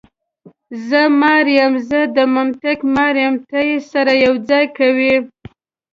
زه مار یم، زه د منطق مار یم، ته یې سره یو ځای کوې.